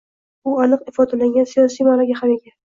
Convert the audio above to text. u aniq ifodalangan siyosiy ma’noga ham ega.